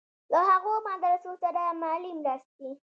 له هغو مدرسو سره مالي مرستې.